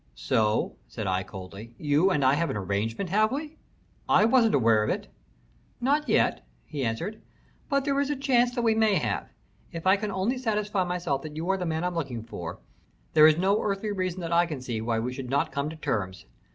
"So," said I, coldly. "You and I have an arrangement, have we? I wasn't aware of it." "Not yet," he answered. "But there's a chance that we may have. If I can only satisfy myself that you are the man I'm looking for, there is no earthly reason that I can see why we should not come to terms.